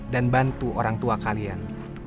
dan bantu orang tua kalian